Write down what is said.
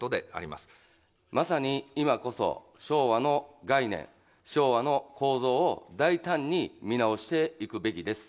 まさに今こそ、昭和の概念、昭和の構造を大胆に見直していくべきです。